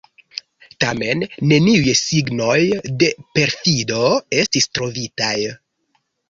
Tamen, neniuj signoj de perfido estis trovitaj.